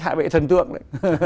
hạ bệ thần tượng đấy